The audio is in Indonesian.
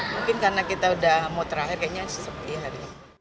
mungkin karena kita udah mau terakhir kayaknya empat belas im dahek